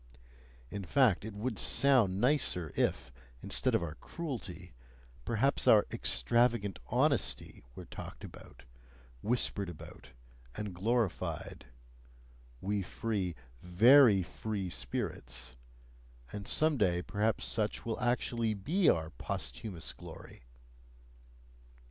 In fact, it would sound nicer, if, instead of our cruelty, perhaps our "extravagant honesty" were talked about, whispered about, and glorified we free, VERY free spirits and some day perhaps SUCH will actually be our posthumous glory!